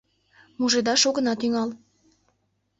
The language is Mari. — Мужедаш огына тӱҥал.